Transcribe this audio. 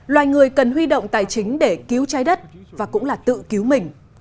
loài người cần huy động tài chính để cứu trái đất và cũng là tự cứu mình